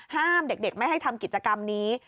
ห้ามเด็กไม่ให้ทำกิจกรรมนี้